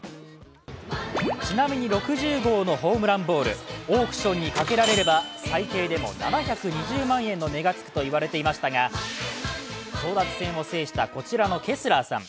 ちなみに、６０号のホームランボールオークションにかけられれば裁定でも７２０万円の値がつくと言われていましたが争奪戦を制したこちらのケスラーさん。